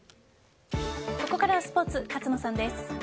ここからはスポーツ勝野さんです。